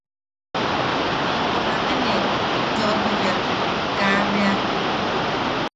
Juname ne yoʼoturiak ka bea.